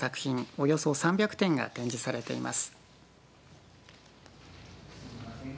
およそ３００点が展示されています。